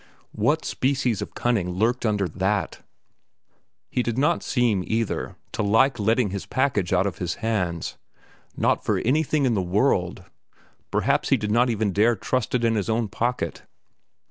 What species of cunning lurked under that? He did not seem either to like letting his package out of his hands, not for anything in the world; perhaps he did not even dare trust it into his own pocket.